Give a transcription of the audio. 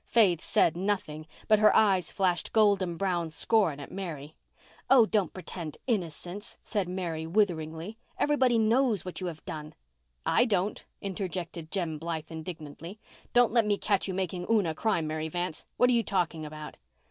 Faith said nothing, but her eyes flashed golden brown scorn at Mary. "Oh, don't pretend innocence," said Mary, witheringly. "Everybody knows what you have done." "I don't," interjected Jem Blythe indignantly. "Don't let me catch you making Una cry, Mary Vance. What are you talking about?"